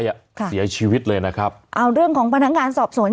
ค่ะเสียชีวิตเลยนะครับเอาของพนักงานสอบสน